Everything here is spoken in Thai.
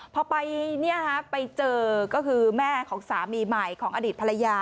พอไปเจอก็คือแม่ของสามีใหม่ของอดีตภรรยา